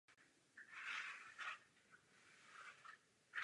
Na trh ale už uveden nebyl.